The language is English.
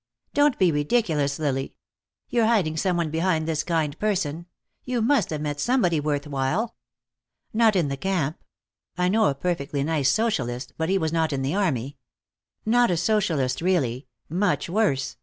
"Don't be ridiculous, Lily. You're hiding some one behind this kind person. You must have met somebody worth while." "Not in the camp. I know a perfectly nice Socialist, but he was not in the army. Not a Socialist, really. Much worse.